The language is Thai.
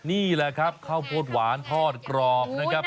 นี่แหละครับข้าวโพดหวานทอดกรอบนะครับ